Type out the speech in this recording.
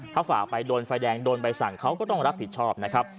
ถ้าฝ่าไปโดนไฟแดงโดนใบสั่งเขาก็ต้องรับผิดชอบนะครับ